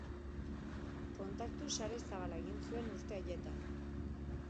Kontaktu sare zabala egin zuen urte haietan.